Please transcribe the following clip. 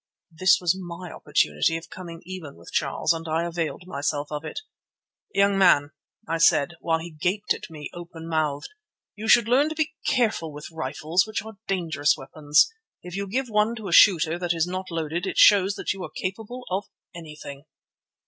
This was my opportunity of coming even with Charles, and I availed myself of it. "Young man," I said, while he gaped at me open mouthed, "you should learn to be careful with rifles, which are dangerous weapons. If you give one to a shooter that is not loaded, it shows that you are capable of anything."